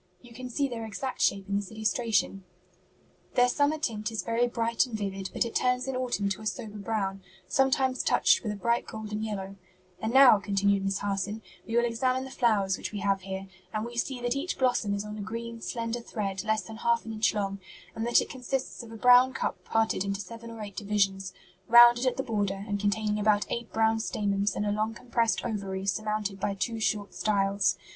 You can see their exact shape in this illustration. Their summer tint is very bright and vivid, but it turns in autumn to a sober brown, sometimes touched with a bright golden yellow, And now," continued Miss Harson, "we will examine the flowers which we have here, and we see that each blossom is on a green, slender thread less than half an inch long, and that it consists of a brown cup parted into seven or eight divisions, rounded at the border and containing about eight brown stamens and a long compressed ovary surmounted by two short styles.